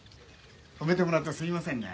泊めてもらってすいませんね。